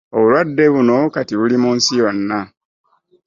Obulwadde buno kati buli mu nsi yonna.